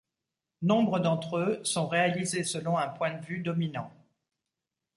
Nombre d'entre eux sont réalisés selon un point de vue dominant.